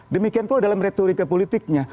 demikianpun dalam retorika politiknya